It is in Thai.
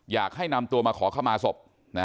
อยากให้นำตัวมาขอเข้ามาศพ